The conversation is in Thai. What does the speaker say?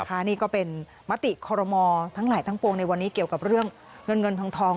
นี่ก็เป็นมติคอรมอทั้งหลายทั้งปวงในวันนี้เกี่ยวกับเรื่องเงินเงินทอง